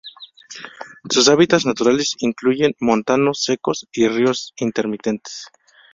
Sus hábitats naturales incluyen montanos secos y ríos intermitentes.